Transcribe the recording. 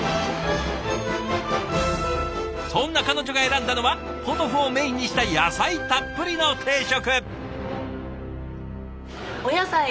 そんな彼女が選んだのはポトフをメインにした野菜たっぷりの定食。